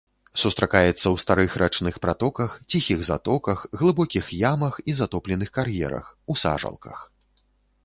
Сустракаецца ў старых рачных пратоках, ціхіх затоках, глыбокіх ямах і затопленых кар'ерах, у сажалках.